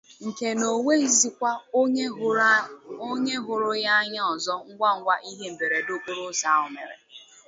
nke na o nweghịzịkwa onye hụrụ ya anya ọzọ ngwangwa ihe mberede okporoụzọ ahụ mere